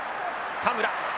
田村